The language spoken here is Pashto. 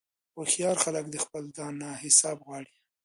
هوښیار خلک د خپل ځان نه حساب غواړي.